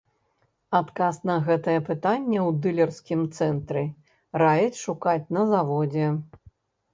Адказ на гэтае пытанне ў дылерскім цэнтры раяць шукаць на заводзе.